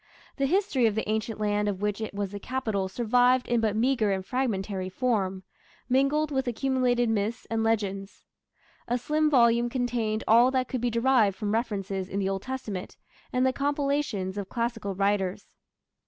The history of the ancient land of which it was the capital survived in but meagre and fragmentary form, mingled with accumulated myths and legends. A slim volume contained all that could be derived from references in the Old Testament and the compilations of classical writers.